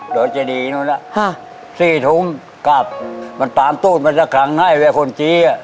เดี๋ยวจะดีนู่นน่ะสี่ทุ่มกลับมันตามตู้มันจะขังให้ไว้คนจี๊